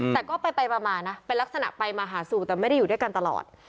แต่ก็ไปมานะเป็นลักษณะไปมาหาสู่แต่ไม่ได้อยู่ด้วยกันตลอด